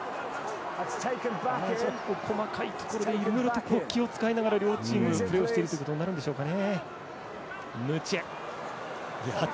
細かいところでいろいろと気を使いながら両チーム、プレーをしていることになるんでしょうか。